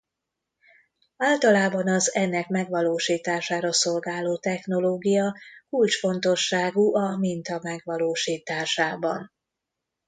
Általában az ennek megvalósítására szolgáló technológia kulcsfontosságú a minta megvalósításában.